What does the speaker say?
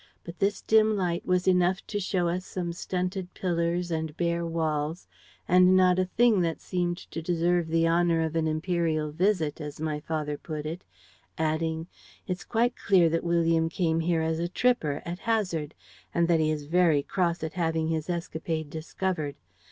But this dim light was enough to show us some stunted pillars and bare walls and not a thing that seemed to deserve the honor of an imperial visit, as my father put it, adding, 'It's quite clear that William came here as a tripper, at hazard, and that he is very cross at having his escapade discovered.